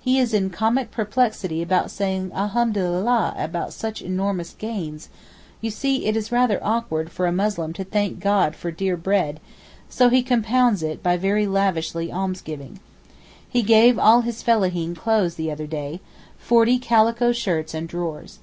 He is in comic perplexity about saying Alhamdulillah about such enormous gains—you see it is rather awkward for a Muslim to thank God for dear bread—so he compounds by very lavish almsgiving. He gave all his fellaheen clothes the other day—forty calico shirts and drawers.